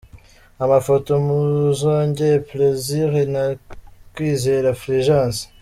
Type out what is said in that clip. Amafoto: Muzogeye Plaisir na Kwizera Fulgence.